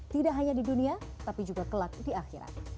tidak hanya di dunia tapi juga kelak di akhirat